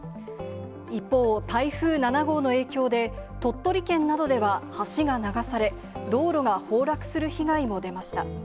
一方、台風７号の影響で、鳥取県などでは橋が流され、道路が崩落する被害も出ました。